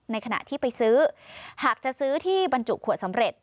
ขณะที่ไปซื้อหากจะซื้อที่บรรจุขวดสำเร็จ